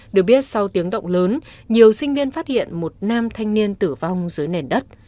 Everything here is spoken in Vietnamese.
được biết sau tiếng động lớn nhiều sinh viên phát hiện một nam thanh niên tử vong dưới nền đất